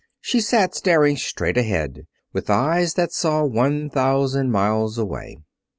She sat staring straight ahead with eyes that saw one thousand miles away.